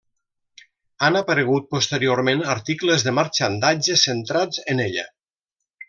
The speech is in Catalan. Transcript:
Han aparegut posteriorment articles de marxandatge centrats en ella.